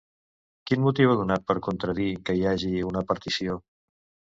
Quin motiu ha donat per a contradir que hi hagi una partició?